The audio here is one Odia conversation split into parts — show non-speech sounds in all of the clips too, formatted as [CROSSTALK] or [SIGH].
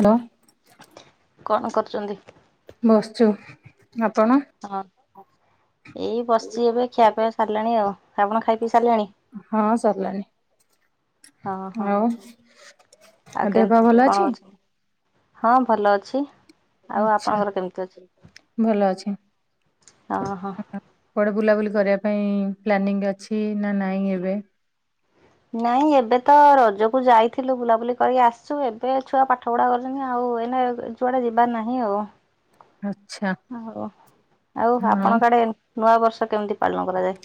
ହ୍ୟାଲୋ। କଣ କରୁଚନ୍ତି? ବସଚୁ। ହଁ। ଏଇ ବସିଚି ଏବେ ଖିଆ ପିଆ ସାରିଲାଣି ଆଉ ଆପଣ ଖାଇ ପିଇ ସାରିଲେଣି। ହଁ ସରିଲାଣି ହଁ ହଁ ଆଉ। ଆଉ ଦେହ ପା କେମିତି ଭଲ କଣ ଅଛି? ଅଛନ୍ତି? ହଁ ଭଲ ଅଛି। ଆଉ ଆଚ୍ଛା ଆପଣଙ୍କର କେମିତି ଅଛି? ଭଲ ଅଛି। ହଁ ହଁ କୁଆଡେ ବୁଲାବୁଲି କରିବା ପାଇଁ ପ୍ଲାନିଂ ଅଛି ନା ନାଇଁ ଏବେ? ନାଇଁ ଏବେ ତ ରଜକୁ ଯାଇଥିଲୁ ବୁଲାବୁଲି କରିକି ଆସୁଚୁ ଏବେ ଛୁଆ ପାଠ ପଢା କରୁଚନ୍ତି ଆଉ ହୁଏନା ଯୁଆଡା ଯିବାର ନାହିଁ ଆଉ? ଆଚ୍ଛା ହଉ ଆଉ ହଁ ଆପଣଙ୍କ ଆଡେ ଏ ନୂଆ ବର୍ଷ କେମିତି ପାଳନ କରାଯାଏ?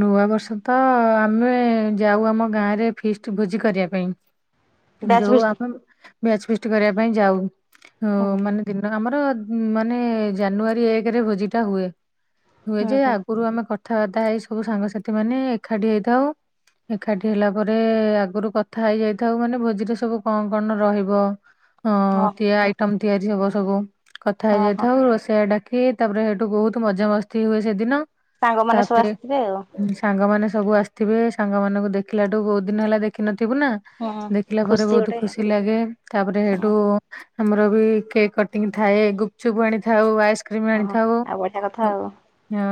ନୂଆ ବର୍ଷ ତ ଆମେ ଯାଉ ଆମ ଗାଁରେ ଫିଷ୍ଟ ଭୋଜି କରିବା ପାଇଁ। ବ୍ୟାଚ୍ ଯୋଉ ଫିଷ୍ଟ ଆମେ ବ୍ୟାଚ୍ ଫିଷ୍ଟ୍ କରିବା ପାଇଁ ଯାଉ ହୁଁ ହୁଁ ମାନେ ଦିନ ଆମର ମାନେ ଜାନୁଆରୀ ଏକରେ ଭୋଜି ଟା ହୁଏ ହୁଏ ହୁଁ ଯେ ହୁଁ ଆଗରୁ ଆମେ କଥାବାର୍ତ୍ତା ହେଇ ସବୁ ସାଙ୍ଗସାଥି ମାନେ ଏକାଠି ହେଇଥାଉ। ଏକାଠି ହେଲା ପରେ ଆଗରୁ କଥା ହେଇଯାଇଥାଉ ମାନେ ଭୋଜିରେ ସବୁ କଣ କଣ ରହିବ? ହଁ ତିଆ ଆଇଟମ ତିଆରି ହବ ସବୁ କଥା ହଁ ହଁ ହେଇଯାଇଥାଉ ରୋଷେଆ ଡାକ [UNINTELLIGIBLE] ତାପରେ ହେଇଠୁ ବହୁତ ମଜାମସ୍ତି ହୁଏ ସେଦିନ। ସାଙ୍ଗମାନେ ସବୁ ତାପରେ ଆସିଥିବେ ଆଉ। ସାଙ୍ଗମାନେ ସବୁ ଆସିଥିବେ। ସାଙ୍ଗ ମାନଙ୍କୁ ଦେଖିଲାଠୁ ବହୁତ ଦିନ ହେଲା ଦେଖିନ ଥିବୁ ନା ହୁଁ ଦେଖିଲା ପରେ ବହୁତ ଗୋଟେ ଖୁସି ଲାଗେ ତାପରେ ହଁ ହେଟୁ ଆମର ବି କେକ୍ କଟିଂ ଥାଏ। ଗୁପଚୁପ୍ ଆଣିଥାଉ। ଆଇସ୍ ଆଇସକ୍ରିମ୍ ଓହୋ ଆଣିଥାଉ। ଆଉ ବଢିଆ କଥା ଆଉ ହଁ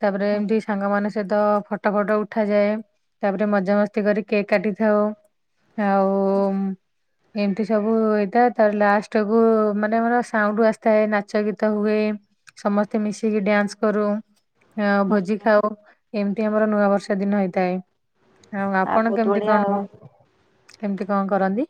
ତାପରେ ହୁଁ ଏମିତି ମାନେ ସହିତ ଫଟୋ ଫଟ ଉଠାଯାଏ। ତାପରେ ମଜାମସ୍ତି କରିକି କେକ୍ କାଟିଥାଉ। ଆଉ ହୁଁ ହୁଁ। ଏମିତି ସବୁ ହେଇଥାଏ। ତାପରେ ଲାଷ୍ଟ କୁ ମାନେ ଆମର ସାଉଣ୍ଡ ଆସିଥାଏ ନାଚ ଗୀତ ହୁଏ। ସମସ୍ତେ ମିଶିକି ଡ୍ୟାନ୍ସ କରୁ, ହୁଁ ଭୋଜି ଖାଉ। ଏମିତି ଆମର ନୂଆ ବର୍ଷ ଦିନ ହେଇଥାଏ। ଆଉ ଆପଣ ବହୁତ କେମିତି ବଢିଆ କଣ ଆଉ। ହ କେମିତି କଣ କରନ୍ତି?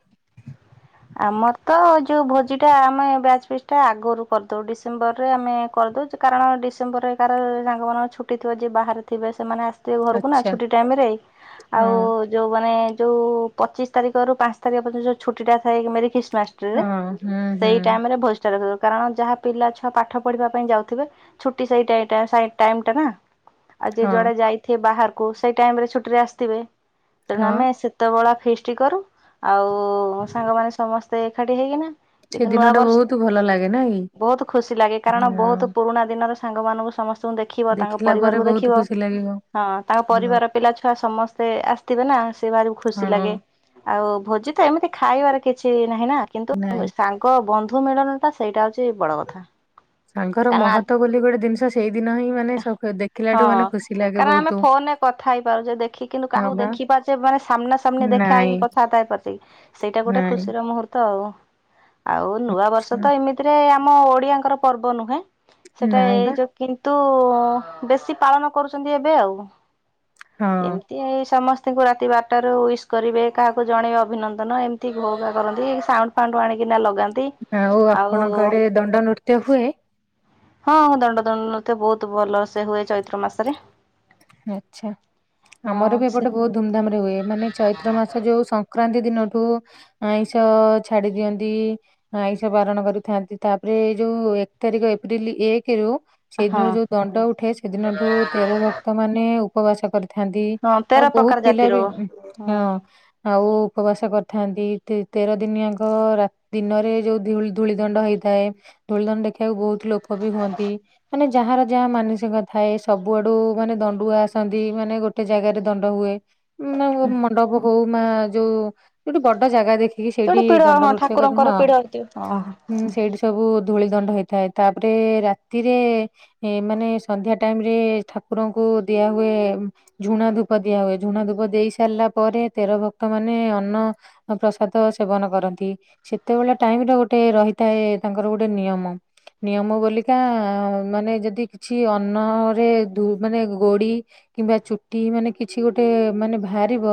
ଆମର ତ ଯୋଉ ଭୋଜିଟା, ଆମେ ବ୍ୟାଚ ଫିଷ୍ଟଟା ଆଗରୁ କରିଦଉ। ଡିସେମ୍ବର ରେ ଆମେ କାରଣ ଡିସେମ୍ବରରେ କାହାର ସାଙ୍ଗମାନଙ୍କର ଛୁଟିଥିବ। ଯିଏ ବାହାରେ ଥିବେ ସେମାନେ ଆସି ଥିବେ ଘରକୁ ନା ଆଚ୍ଛା ଛୁଟି ଟାଇମରେ। ହଁ ଆଉ ଯୋଉମାନେ ଯୋଉ ପଚିଶ ତାରିଖରୁ ପାଞ୍ଚ ତାରିଖ ପର୍ଯ୍ୟନ୍ତ ଯୋଉ ଛୁଟିଟା ଥାଏ। ମେରିଖିସ୍ ହଁ ଲାଷ୍ଟରେ ହୁଁ ହୁଁ ସେଇ ଟାଇମରେ ଭୋଜିଟା ରଖିଦଉ। କାରଣ ଯାହା ପିଲା ଛୁଆ ପାଠ ପଢିବା ପାଇଁ ଯାଉଥିବେ, ଛୁଟି ସେଇ ଟାଇମ ଟା ନା। ଆଉ ଯିଏ ହଁ ଯୁଆଡେ ଯାଇଥିବେ ବାହାରକୁ ସେଇ ଟାଇମରେ ଛୁଟିରେ ଆସିଥିବେ। ତେଣୁ ହଁ ଆମେ ସେତେବେଳେ ଫିଷ୍ଟ କରୁ। ଆଉ ସାଙ୍ଗମାନେ ସମସ୍ତେ ଏକାଠି ହେଇକିନା ସେ କିନ୍ତୁ ଦିନ ଟା ନୂଆବର୍ଷ ବହୁତ ଭଲ ଲାଗେ ନାଇଁ ବହୁତ ଖୁସି ଲାଗେ କାରଣ ହଁ ବହୁତ ପୁରୁଣା ଦିନର ସାଙ୍ଗମାନଙ୍କୁ ସମସ୍ତଙ୍କୁ ଦେଖିବ। ତାଙ୍କ ଦେଖିଲା ପରେ ପରିବାରକୁ ବହୁତ ଦେଖିବ। ଖୁସି ଲାଗିବ। ହଁ ତାଙ୍କ ପରିବାର ହଁ ପିଲା ଛୁଆ ସମସ୍ତେ ଆସିଥିବେ ନା। ସେ ଭାରି ଖୁସି ଲାଗେ। ହଁ, ଆଉ ଭୋଜି ତ ଏମିତି ଖାଇବାର କିଛି ନାହିଁ ନା କିନ୍ତୁ ନାଇଁ ସାଙ୍ଗ ବନ୍ଧୁ ମିଳନଟା ସେଇଟା ହଉଛି ବଡ କଥା। ସାଙ୍ଗର କାରଣ ଆଜି ମହତ ବୋଲି ଗୋଟେ ଜିନିଷ ସେଇ ଦିନ ହିଁ ମାନେ ଦେଖିଲାଠୁ ହଁ। ମାନେ ଖୁସି ଲାଗେ କାରଣ ଆମେ ବହୁତ। ଫୋନରେ କଥା ହେଇପାରୁଚେ, ଦେଖି କିନ୍ତୁ ହଁ କାହାକୁ ବା ଦେଖି ପାରୁଛେ, ମାନେ ସାମ୍ନା ସାମ୍ନୀ ନାଇଁ ହେଇକି କଥାବାର୍ତା ହେଇପାରୁଛି କି। ସେଇଟା ଗୋଟେ ନାଇଁ ଖୁସିର ମୁହୂର୍ତ୍ତ ଆଉ। ଆଉ ନୂଆ ବର୍ଷ ଆଛା ତ ଏମିତିରେ ଆମ ଓଡିଆଙ୍କର ପର୍ବ ନୁହେଁ। ସେଟା ନାଇଁ ଏଇ ବା ଯୋଉ କିନ୍ତୁ କିନ୍ତୁ ବେଶୀ ପାଳନ କରୁଛନ୍ତି ଏବେ ଆଉ। ହଁ ଏମିତି ଏ ସମ ତାଙ୍କୁ ରାତି ବାରଟାରୁ ୱିସ୍ କରିବେ। କାହାକୁ ଜଣେଇବେ ଅଭିନନ୍ଦନ ଏମିତି ଘୋ ଘା କରନ୍ତି। ସାଉଣ୍ଡ ଫାଉଣ୍ଡ ଆଣିକିନା ଲଗାନ୍ତି। ଆଉ ଆପଣଙ୍କ ଆଡେ ଦଣ୍ଡ ନୃତ୍ୟ ହୁଏ? ହଁ ଦଣ୍ଡ ଦଣ୍ଡ ନୃତ୍ୟ ବହୁତ ଭଲ ସେ ହୁଏ ଚୈତ୍ର ମାସରେ। ଆଛା। ଆମର ହଁ ବି ସେ ଏପଟେ ବହୁତ ଧୁମଧାମ ରେ ହୁଏ। ମାନେ ଚୈତ୍ର ମାସ ଯୋଉ ସଂକ୍ରାନ୍ତି ଦିନଠୁ ଆଇଁଷ ଛାଡି ଦିଅନ୍ତି, ଆଇଁଷ ବାରଣ କରିଥାନ୍ତି। ତାପରେ ଏ ଯୋଉ ଏକ ତାରିଖ ଏପ୍ରିଲ ଏକରୁ ହଁ। ସେଇଦିନ ଯୋଉ ଦଣ୍ଡ ଉଠେ ସେଦିନଠୁ ତେର ଭକ୍ତ ମାନେ ଉପବାସ କରିଥା ଥାନ୍ତି। ହଁ ଆଉ ତେର ପ୍ରକାର ବହୁତ ପିଲା ଜାତିର ବି ହଁ। ହୁଁ। ଆଉ ଉପବାସ କରିଥାନ୍ତି। ତେର ଦିନି ଆଙ୍କ ଦିନରେ ଯେଉଁ ଧୂଳି ଧୂଳି ଦଣ୍ଡ ହୋଇଥାଏ। ଧୂଳି ଦଣ୍ଡ ଦେଖିବାକୁ ବହୁତ ଲୋକ ବି ହୁଅନ୍ତି। ମାନେ ଯାହାର ଯାହା ମାନସିକ ଥାଏ ସବୁଆଡୁ ମାନେ ଦଣ୍ଡୁଆ ଆସନ୍ତି। ମାନେ ଗୋଟେ ଜାଗାରେ ଦଣ୍ଡ ହୁଏ। ମ ମଣ୍ଡପ ହଉ ବା ଯୋଉ ଯୋଉଟି ବଡ ଜାଗା ଦେଖି ସେଇଠି ଯୋଉଟା ପିଢ ଦଣ୍ଡ ହଁ ନୃତ୍ୟ କଥା ଠାକୁରଙ୍କର ହଁ ପିଢ ହେଇଥିବ। ଓହୋ ସେଇଠି ସବୁ ଧୂଳି ଦଣ୍ଡ ହେଇଥାଏ। ତାପରେ ରାତିରେ ମାନେ ସନ୍ଧ୍ୟା ଟାଇମରେ ଠାକୁରଙ୍କୁ ଦିଆ ହୁଏ ଝୁଣା ଧୂପ ଦିଆ ହୁଏ। ଝୁଣା ଧୂପ ଦେଇ ସାରିଲା ପରେ ତେର ଭକ୍ତ ମାନେ ଅନ୍ନପ୍ରସାଦ ସେବନ କରନ୍ତି। ସେତେବେଳେ ଟାଇମ ରେ ଗୋଟେ ରହିଥାଏ ତାଙ୍କର ଗୋଟେ ନିୟମ। ନିୟମ ବୋଲିକା ମାନେ ଯଦି କିଛି ଅନ୍ନରେ ମାନେ ଗୋଡି କିମ୍ବା ଚୁଟି ମାନେ କିଛି ଗୋଟେ ମାନେ ବାହାରିବ,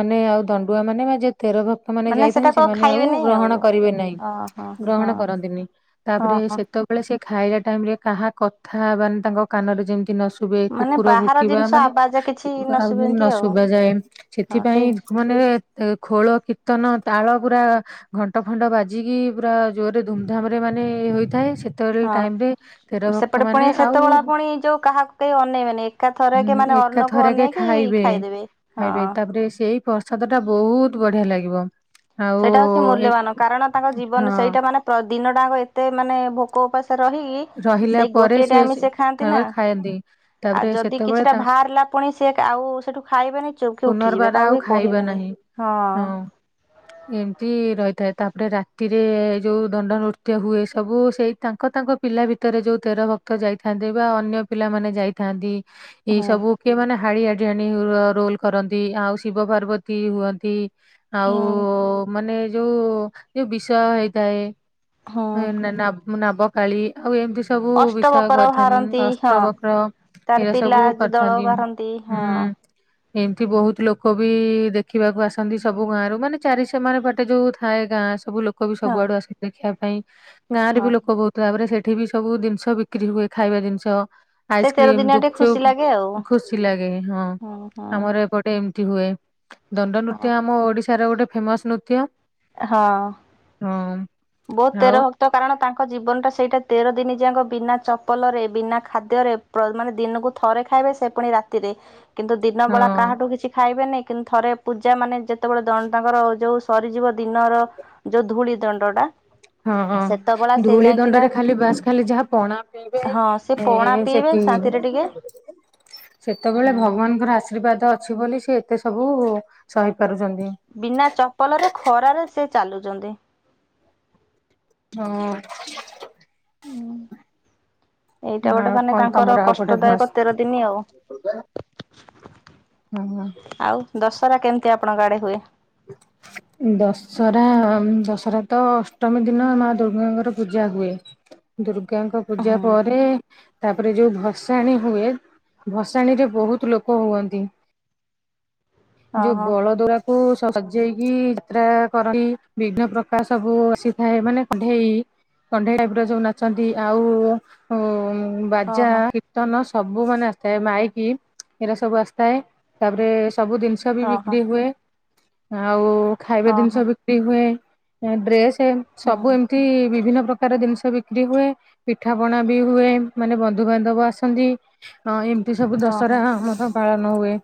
ମାନେ ଆଉ ତା ଦଣ୍ଡୁଆ ମାନେ ବା ଯେ ତେର ଭକ୍ତ ମାନେ ଯାଇଥାନ୍ତି ସେମାନେ ଆଉ ଗ୍ରହଣ କରିବେ ନାହିଁ ଓହୋ ହଁ ଗ୍ରହଣ କରନ୍ତିନି ତାପରେ ହଁ ଏଇ ହଁ। ସେତବେଳେ ସେ ଖାଇଲା ଟାଇମରେ କାହା କଥା ମାନେ ତାଙ୍କ କାନରେ ଯେମିତି ନଶୁ ଶୁଭେ ମାନେ କୁକୁର ବାହାର ଭୁକିବା ଜିନିଷ ମାନେ ଆବାଜ କିଛି ଆଉ ନ ନଶୁଭନ୍ତି ଆଉ ଶୁଭାଯାଏ ହଁ ସେଥିପାଇଁ ସେଇ ମାନେ ଏ ଖୋଳ, କୀର୍ତ୍ତନ, ତାଳ ପୁରା ଘଣ୍ଟ ଫଣ୍ଟ ବାଜିକି ପୁରା ଜୋରରେ ଧୁମଧାମରେ ମା ମାନେ ହୋଇଥାଏ ସେତବେଳେ ହଁ। ଟାଇମରେ ସେପଟେ ପୁଣି ତେରଭକ୍ତମାନେ ଆଉ ସେତେବେଳେ ପୁଣି ଯୋଉ କାହାକୁ କେହି ଅନେଇବେନି ଏକା ଥରକେ ହୁଁ ମାନେ ଅନ୍ନକୁ ଏକାଥରେକ ଅନେଇକି ଖାଇବେ ଖାଇଦେବେ ଖାଇବେ ହଁ। ତାପରେ ସେଇ ପ୍ରସାଦଟା ବହୁତ ବଢିଆ ଲାଗିବ। ଆଉ ସେଇଟା ହଉଚି ଏ ମୂଲ୍ୟବାନ କାରଣ ତାଙ୍କ ଜୀବନ ହଁ ସେଇଟାମାନେ ପ୍ର ଦିନଟାଙ୍କ ଏତେ ମାନେ ଭୋକ ଉପାସ ରହି ରହିଲା ସେଇ ପରେ ଗୋଟିଏ ସେ ଟାଇମ ସିଏ ଖାଆନ୍ତି ନା ଥରେ ଖାଆନ୍ତି ତାପରେ ଆଉ ଯଦି ସେତେବେଳେ କିଛିଟା ତା ବାହାରିଲା। ପୁଣି ସିଏ ଆଉ ସେଠୁ ଖାଇବେନି ଚୁପ୍ କି ଉଠିଯିବେ ପୁନର୍ବାର ଆଉ କାହାକୁ ବି ଖାଇବା କହିବେନି ହଁ। ଏମତି ରହିଥାଏ ତାପରେ ରାତିରେ ଏଇ ଯୋଉ ଦଣ୍ଡ ନୃତ୍ୟ ହୁଏ ସବୁ ସେଇ ତାଙ୍କ ତାଙ୍କ ପିଲା ଭିତରେ ଯଉ ତେର ଭକ୍ତ ଯାଇଥାନ୍ତି ବା ଅନ୍ୟ ପିଲାମାନେ ଯାଇଥାନ୍ତି। ଏଇ ହୁଁ ସବୁ କିଏ ମାନେ ହାଡିଆ ଜାଣି ର-ରୋଲ କରନ୍ତି ଆଉ ଶିବ ପାର୍ବତୀ ହୁଅନ୍ତି। ଆଉ ହୁଁ ମାନେ ଯୋଉ ଯୋଉ ବିଷୟ ହେଇଥାଏ। ହୁଁ ହେଁ ନା ନା-ନାବ କାଳୀ ଆଉ ଏମତି ସବୁ ବିଷୟ ଅଷ୍ଟବକର କରିଥାନ୍ତି ବାହାରନ୍ତି ହଁ। ଅଷ୍ଟ୍ର ବକ୍ର। ତାର ଏଇରା ପିଲା ସବୁ ଦଳ କରିଥାନ୍ତି ବାହାରନ୍ତି ହୁଁ ହଁ ଏମତି ବହୁତ ଲୋକ ବି ଦେଖିବାକୁ ଆସନ୍ତି ସବୁ ଗାଁ ରୁ ମାନେ ଚାରି ସେମାନେ ବାଟେ ଯୋଉ ଥାଏ ଗାଁ ସବୁ ଲୋ ଲୋକ ବି ହଁ ସବୁଆଡୁ ଆସିିନ୍ତି ଦେଖିବା ପାଇଁ ଗାଁ ରେ ବି ହଁ। ଲୋକ ବହୁତ ଭାବରେ ସେ ଏଠି ବି ସବୁ ଜିନିଷ ବିକ୍ରି ହୁଏ ଖାଇବା ଜିନିଷ। ସେ ତେର ଆଇସ୍କ୍ରିମ୍ ଦିନିଆ ଟିକେ ଖୁସି ଗୁପଚୁପ୍ ଲାଗେ ଆଉ ଖୁସି ଲାଗେ ହଁ ହୁଁ ହୁଁ ଆମର ଏପଟେ ଏମ୍ ଟି ହୁଏ ଦଣ୍ଡ ହଁ। ନୃତ୍ୟ ଆମ ଓଡିଶାର ଗୋଟେ ଫେମସ ନୃତ୍ୟ। ହଁ ହଁ। ବହୁତ ଆଉ ତେର ଭକ୍ତ କାରଣ ତାଙ୍କ ଜୀବନ ଟା ସେଇଟା ତେର ଦିନ ଯାକ ବିନା ଚପଲ ରେ ବିନା ଖାଦ୍ୟରେ ପ୍ର ମାନେ ଦିନକୁ ଥ ଥରେ ଖାଇବେ ସେ ପୁଣି ରାତିରେ କିନ୍ତୁ ଦିନ ବେଳା ହଁ କାହାଠୁ କିଛି ଖାଇବେନି। କିନ୍ତୁ ଥରେ ପୂଜା ମାନେ ଯେତବେଳେ ଦ ତାଙ୍କର ଯୋଉ ସରିଯିବ ଦିନର ଯୋଉ ଧୂଳି ଦଣ୍ଡ ଟା। ହଁ ଧୂଳି ଦଣ୍ଡରେ ଖାଲି ବାସ୍ ଖାଲି ଯାହା ପଣା ପିଇବେ ଏଁ ଏବଂଶାନ୍ତିରେ ଟିକେ ସେତେବେଳେ ହଁ ଭଗବାନଙ୍କର ଆଶୀର୍ବାଦ ଅଛି ବୋଲି ସିଏ ଏତେ ସବୁ ସହି ପାରୁଛନ୍ତି ବିନା ଚପଲରେ ଖରାରେ ସେ ଚାଲୁଚନ୍ତି। ହଉ। ଏଇଟା ଗୋଟେ ମାନେ ତାଙ୍କର ଗୋଟେ ଭସ୍ କଷ୍ଟଦାୟକ ତେର ଦିନି ଆଉ। ହଁ ଆଉ ଦଶହରା କେମିତି ଆପଣଙ୍କ ଆଡେ ହୁଏ? ଦଶହରା ଦଶହରା ତ ଅଷ୍ଟମୀ ଦିନ ମା ଦୁର୍ଗାଙ୍କର ପୂଜା ହୁଏ ଦୁର୍ଗାଙ୍କ ହଁ ପୂଜା ପରେ ତାପରେ ଯୋଉ ଭସାଣି ହୁଏ ଭସାଣି ରେ ବହୁତ ଲୋକ ହୁଅନ୍ତି। ହଁ ଯଉ ହଁ। ବଳଦୁରା। କୁ ସଜେଇକି ଯାତ୍ରା କରନ୍ତି ବିଘ୍ନ ପ୍ରକାସବୁ ଆସିଥାଏ ମାନେ କଢେଇ କଣ୍ଢେଇ ଟାଇପ ର ଯୋଉ ନାଚନ୍ତି ଆଉ ଉ ବାଜା, ଓହୋ କୀର୍ତ୍ତନ ସ ସବୁ ମାନେ ଆସିଥାଏ। ମାଇକି ଏଟା ସବୁ ଆସିଥାଏ ତାପରେ ସବୁ ଦି ସ ବି ହଁ ହଁ ବିକ୍ରି ହୁଏ ଆଉ ଖାଇବା ହଁ ହଁ ଜିନିଷ ବିକ୍ରି ହୁଏ ଡ୍ରେସ୍ ହଁ ସବୁ ହଁ ଏମିତି ବିଭିନ୍ନ ପ୍ର ପ୍ରକାର ଜିନିଷ ବିକ୍ରି ହୁଏ ପିଠା ପଣା ବି ହୁଏ ମାନେ ବନ୍ଧୁବାନ୍ଧବ ଆସନ୍ତି ଅ ଏମ୍ ପା ଏ ସବୁ ହଁ ଦଶହରା ହଁ। ମଧ୍ୟ ପାଳନ ହୁଏ।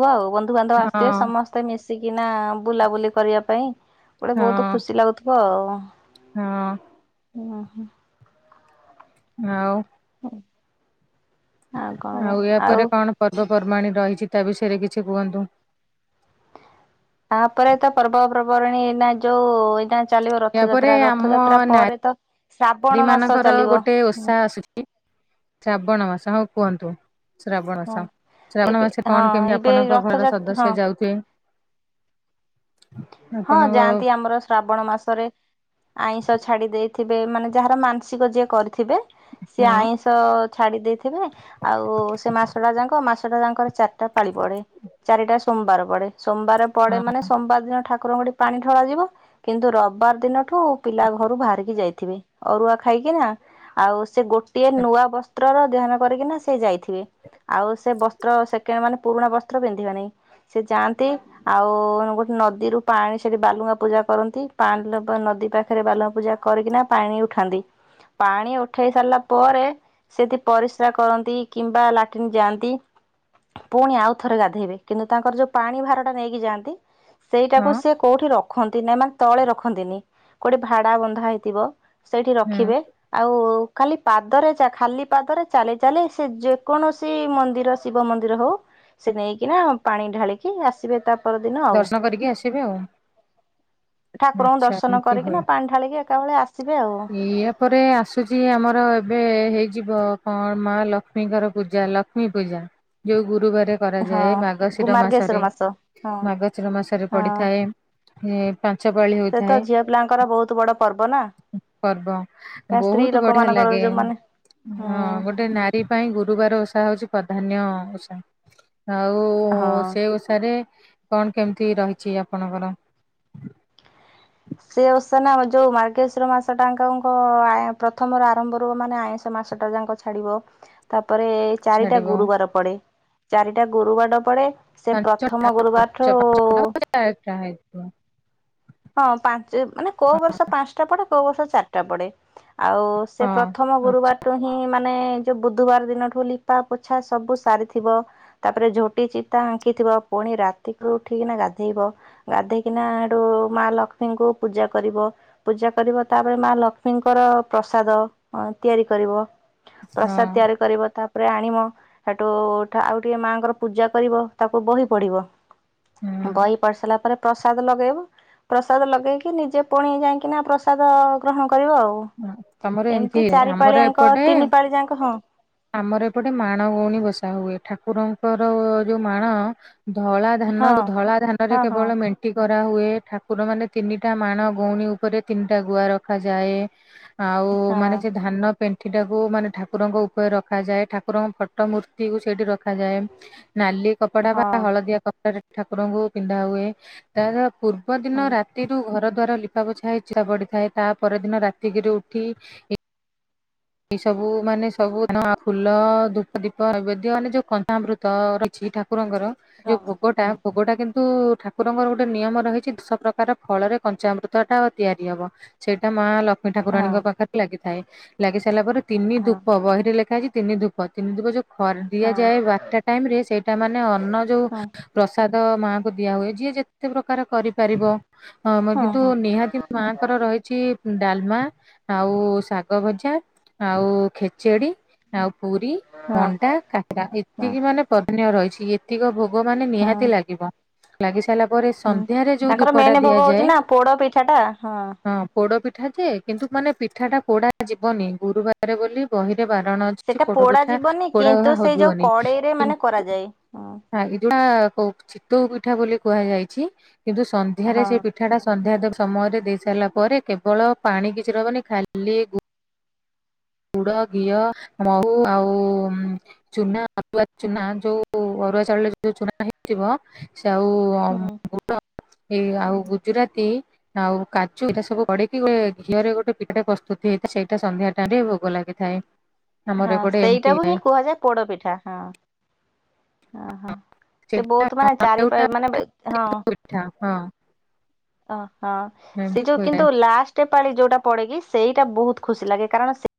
ହୁଅ ଆଉ ବନ୍ଧୁବାନ୍ଧବ ହଁ ଆସିଥିବେ ସମସ୍ତେ ମିଶିକିନା ବୁଲାବୁଲି କରିବା ପାଇଁ। ଗୋଟେ ହଁ ବହୁତୁ ଖୁସି ଲାଗୁଥୁବ ଆଉ। ହଁ। ଓ ହୋ। ଆଉ। ହୁଁ ଆଉ ଏହାପରେ କଣ ପର୍ବପର୍ବାଣି ରହିଛି ତା ବିଷୟରେ କିଛି କୁହନ୍ତୁ? ତାପରେ ତ ପର୍ବପ୍ରବାଣୀ ଏଇନା ଯୋଉ ଏଇନା ଚାଲିବ ରଥଯାତ୍ରା ରଥଯାତ୍ରା ପରେ ତ ଶ୍ରାବଣ ରୀ ମାସ ମାନଙ୍କର ଚାଲିବ ଗୋଟେ ହୁଁ ଓଷା ଆସୁଛି ଶ୍ରାବଣ ମାସ ହଉ କୁହନ୍ତୁ। ଶ୍ରାବଣ ହଁ। ମାସ ଶ୍ରାବଣ ଏବେ ମାସେ ହଁ କଣ କେମିତି ଏବେ ଆପଣଙ୍କ ଘର ରଥଯାତ୍ରା ହଁ ସଦସ୍ୟ ଯାଉଥିବେ? ହଁ ଆପଣଙ୍କ ଯାଆନ୍ତି ଆମର ଶ୍ରାବଣ ମାସରେ ଆଇଁଷ ଛାଡି ଦେଇ ଥିବେ ମାନେ ଯାହାର ମାଂସିକ ଯିଏ କରିଥିବେ ସିଏ ହଁ ଆଇଁଷ ଛାଡି ଦେଇଥିବେ ଆଉ ସେ ମାସ ଟା ଯାଙ୍କ ମାସଟା ଯାଙ୍କର ଚାରିଟା ପାଳି ପଡେ। ଚାରିଟା ସୋମବାର ପଡେ ସୋମବାର ପଡେ ହଁ ମାନେ ସୋମବାର ଦିନ ଠାକୁରଙ୍କଠି ପାଣି ଢ଼ଳା ଯିବ କିନ୍ତୁ ରବିବାର ଦିନଠୁ ପିଲା ଘରୁ ବାହାରିକି ଯାଇଥିବେ। ଅରୁଆ ଖାଇକି ନା ଆଉ ସେ ଗୋଟିଏ ନୂଆ ବସ୍ତ୍ରର ଦେହାନ କରିକିନା ସେ ଯାଇଥିବେ। ଆଉ ସେ ବସ୍ତ୍ର ସେକେଣ୍ଡ ମାନେ ପୁରୁଣା ବସ୍ତ୍ର ପିନ୍ଧିବେନି ସେ ଯାଆନ୍ତି ଆଉ ନଦୀରୁ ପାଣି ସେଠି ବାଲୁଙ୍ଗା ପୂଜା କରନ୍ତି ପାଲପ ନଦୀ ପାଖରେ ବାଲୁଙ୍ଗା ପୂଜା କରିକିନା ପାଣି ଖାନ୍ତି। ପାଣି ଉଠେଇ ସାରିଲା ପରେ ସେଠି ପରିସ୍ରା କରନ୍ତି କିମ୍ବା ଲାଟ୍ରିନ୍ ଯାଆନ୍ତି। ପୁଣି ଆଉ ଥରେ ଗାଧେଇବେ କିନ୍ତୁ ତାଙ୍କର ଯୋଉ ପାଣି ଭାର ଟା ନେଇକି ଯାଆନ୍ତି ସେଇଟାକୁ ହଁ ସେ କୋଉଠି ରଖନ୍ତି ନାଇଁ ମାନେ ତଳେ ରଖନ୍ତିନି କୋଉଠି ଭାଡା ବନ୍ଧା ହେଇଥିବ। ସେଇଠି ହୁଁ ରଖିବେ ଆଉ କାଲି ପାଦରେ ଚା ଖାଲି ପାଦରେ ଚାଲି ଚାଲି ସେ ଯେକୌଣସି ମନ୍ଦିର ଶିବ ମନ୍ଦିର ହଉ ସେ ନେଇକିନା ପାଣି ଢାଳିକି ଆସିବେ ତା ପରଦିନ ଆଉ। ଦର୍ଶନ କରିକି ଆସିବେ ଆଉ। ଠାକୁରଙ୍କୁ ଆଚ୍ଛା ଦର୍ଶନ କରିକି ନା ପାଣି ଢାଳିକି ଆ ଇଆ ପରେ ଆସୁଛି ଆମର ଏବେ ହେଇଯିବ କଣ ମା ଲକ୍ଷ୍ମୀଙ୍କର ପୂଜା ଲକ୍ଷ୍ମୀ ପୂଜା ଯୋଉ ଗୁରୁବାର ହଁ କରାଯାଏ ମାଗଶିର ଗୁମାର୍ଗେଶ୍ଵର ମାସରେ ମାସ ହଁ ମାଗଶିର ମାସରେ ହଁ ପଡିଥାଏ ହୁଁ। ସେ ତ ଝିଅ ପିଲାଙ୍କର ବହୁତ ବଡ ପର୍ବ ନା। ପର୍ବ କା ସ୍ତ୍ରୀ ବହୁତ ବଢିଆ ଲୋକମାନଙ୍କର ଲାଗେ। ଯୋଉମାନେ ହଁ ହୁଁ ଗୋଟେ ନାରୀ ପାଇଁ ଗୁରୁବାର ଓଷା ହଉଛି ପ୍ରଧାନ୍ୟ ଓଷା ଆଉ ହଁ। ସେ ଓଷାରେ କଣ କେମିତି ରହିଛି ଆପଣଙ୍କର? ସେ ଓଷା ନା ଯୋଉ ମର୍ଗେଶ୍ଵର ମାସ ଟାଙ୍କ ଙ୍କ ଆ ପ୍ରଥମରୁ ଆରମ୍ଭ ରୁ ମାନେ ଆଇଁଷ ମା ମାସଟା ଯାଙ୍କ ଛାଡିବ ତା ପରେ ଚାରିଟା ଛାଡିବ? ଗୁରୁବାର ପଡେ ଚାରିଟା ଗୁରୁବାଡ ପଡେ ସେ ହଁ ପ୍ରଥମ ଗୁରୁବାରଠୁ [UNINTELLIGIBLE] ହଁ ସ ବର୍ଷ ଚାରିଟା ପଡେ ଆଉ ସେ ପ୍ରଥମ ଗୁରୁବାରୁଟୁ ହିଁ ମା ମାନେ ଯୋଉ ବୁଧୁବାର ଦିନଠୁ ଲିପା ପୋଛା ସବୁ ସାରିଥିବ ତାପରେ ଝୋଟି ଚିତା ଆଙ୍କି ଥିବ ପୁଣି ରାତିକୁ ଉଠିକିନା ଗାଧେଇବ ଗାଧେଇକିନା ଏଠୁ ମା ଲକ୍ଷ୍ମୀଙ୍କୁ ପୂଜା କରିବ ପୂଜା କରିବ ତାପରେ ମା ଲକ୍ଷ୍ମୀଙ୍କର ପ୍ରସାଦ ଅ ତିଆରି କରିବ ଆଚ୍ଛା। ପ୍ରସାଦ ତିଆରି କରିବ ତା ଉପରେ ଆଣିମ ହେଠୁ ଆଉ ଟିକେ ମାଙ୍କର ପୂଜା କରିବ ତାକୁ ବହି ପଢିବ। ବହି ହୁଁ ପଢି ସାରିଲା ପରେ ପ୍ରସାଦ ଲଗେଇବ। ପ୍ରସାଦ ଲଗେଇକି ନିଜେ ପୁଣି ଯାଇକିନା ପ୍ରସାଦ ଗ୍ରହଣ କରିବ ଆଉ ତମର ଏମିତି ଚାରି ଆମର ପାଳିଆଙ୍କ ଏପଟେ ତିନି ପାଳି ଯାଙ୍କ ହଁ। ଆମର ଏପଟେ ମାଣ ଗଉଣୀ ବସା ହୁଏ। ଠାକୁରଙ୍କର ଯୋଉ ମାଣ ଧଳା ଧାନ ହଁ ଧଳା ଧାନରେ ହଁ କେବଳ ମେଣ୍ଟି କରି ରା ହୁଏ ଠାକୁର ମାନେ ତିନିଟା ମାଣ ଗଉଣୀ ଉପରେ ତିନିଟା ଗୁଆ ରଖାଯାଏ। ଆଉ ହଁ ମାନେ ଯେ ଧାନ ପେଣ୍ଠିଟାକୁ ମାନେ ଠାକୁରଙ୍କ ଉପରେ ରଖାଯାଏ ଠାକୁରଙ୍କ ଫଟୋ ମୂର୍ତ୍ତିକୁ ସେଇଠି ର ରଖାଯାଏ ନାଲି କପଡା ବା ହଁ ହଳଦିଆ କପଡା ଠାକୁରଙ୍କୁ ପିନ୍ଧା ହୁଏ ତାର ପୂର୍ବ ହଁ ଦିନ ରାତିରୁ ଘର ଦ୍ୱାର ଲିପା ପୋଛା ହେଇ ଚିତା ପଡିଥାଏ ତା ପର ଦିନ ରାତି ତି ଗିରୁ ଉଠି ଏଇ ସବୁ ମାନେ ସବୁ ଫୁଲ ଧୂପ ଦୀପ ନଇବେଦ୍ୟ ମାନେ ଯୋଉ ପଞ୍ଚାମୃତ ରହିଛି ଠାକୁର ଠାକୁରଙ୍କର ହଁ ଯୋଉ ଭୋଗଟା ହଁ ଭୋଗଟା କିନ୍ କିନ୍ତୁ ଠାକୁରଙ୍କର ଗୋଟେ ନିୟମ ରହିଛି ଦଶ ପ୍ରକାର ଫଳରେ କଞ୍ଚାମୃତ ଟା ତିଆରି ହବ ସେଇଟା ମା ଲକ୍ଷ୍ ଲଷ୍ମୀ ହଁ ଠାକୁୁରାଣୀଙ୍କ ପାଖରେ ଲାଗିଥାଏ। ଲାଗି ସାରିଲା ପରେ ତିନି ହଁ ଧୂପ ବହିରେ ଲେଖା ହେଇଛି ତିନି ଧୂପ ତିନି ଧୂପ ଯଉ ଖରି ହଁ ହଁ ଦିଆଯାଏ ବାରଟା ଟାଇମରେ ସେଇଟା ମାନେ ଅନ୍ନ ଯୋଉ ହଁ ପ୍ରସାଦ ତ ମାଆଙ୍କୁ ଦିଆ ହୁଏ ଯିଏ ଯେତେ ପ୍ରକାର କରିପାରିବ। ହଁ ମର କିନ୍ତୁ ନିହାତି ମାଙ୍କର ରହିଛି ଡାଲମା ଆଉ ଶାଗ ଭଜା ଜା ଆଉ ଖେଚେଡି ଆଉ ପୁରୀ ହଁ ମଣ୍ଡା କାକରା ହଁ ଏତିକି ମାନେ ପ ନିୟ ରହିଛି ଏତିକ ଭୋଗ ମାନେ ହଁ ନିହାତି ଲାଗିବ ଲାଗି ସାରିଲା ପରେ ହୁଁ ସନ୍ଧ୍ୟାରେ ଯୋଉ ତାଙ୍କର ଧୂପଟା ମେନ୍ ଭୋଗ ହଉଛି ଦିଆଯାଏ ନା ପୋଡ ପିଠା ଟା ହଁ ପୋଡପିଠ ପିଠା ଯେ କିନ୍ତୁ ମାନେ ପିଠାଟା ପୋଡା ଯିବନି ଗୁରୁବାର ବୋଲି ବହି ରେ ବାରଣ ଅଛି ସେଟା ପୋଡ ପୋଡା ପିଠା ଯିବନି ପୋଡା କିନ୍ତୁ ଘ ସେଇ ଯୋଉ ହଜିବନି କଡେଇରେ ମାନେ କିନ୍ତୁ [UNINTELLIGIBLE] କରାଯାଏ ହଁ। ହ ଚିତଉ ପିଠା ବୋଲି କୁହାଯାଇଛି କିନ୍ତୁ ସନ୍ଧ୍ୟାରେ ହଁ ସେ ପିଠାଟା ସନ୍ଧ୍ୟା ଦେବେ ସମୟରେ ଦେଇ ସାରିଲା ପରେ କେବଳ ପାଣି କିଛି ରହିବନି ଖାଲି ଗୁ ଗୁଡ ଘିଅ ମହୁ ଆଉ ଚୁନା [UNINTELLIGIBLE] ଚୁନା ଯୋଉ ଅରୁଆ ଚାଉଳରେ ଯୋଉ ଚୁନାଟା ହେଇଥିବ ସେ ଆଉ ହୁଁ ଏଇ ଆଉ ଗୁଜୁରାତି ଆଉ କାଜୁ ଏଇଟା ସବୁ ପଡ଼ିକି ଘିଅରେ ଗୋଟେ ପିଠା ପ୍ରସ୍ତୁତ। ଯେହେତୁ ସେଇଟା ସନ୍ଧ୍ୟା ଟା ରେ ଭୋଗ ଲାଗିଥାଏ। ଆମର ହଁ ଏପଟେ ଏମିତି ସେଇଟାକୁୁ ହେଇଥାଏ ହିଁ କୁହାଯାଏ ପୋଡପିଠା ହଁ। ଓହୋ ସେ ବହୁତ ମାନେ ଚାରି ସେଇଟା ପାଳି ମାନେ ହଁ। ପିଠା ହଁ। ଅହଃ ସେ ଏମିତି ଯୋଉ ହୋଇଥାଏ। କିନ୍ତୁ ଲାଷ୍ଟ ପାଳି ଯୋଉଟା ପଡ଼େକି ସେଇଟା ବହୁତ ଖୁସି ଲାଗେ କାରଣ ସେ